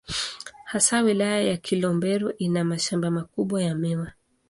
Hasa Wilaya ya Kilombero ina mashamba makubwa ya miwa.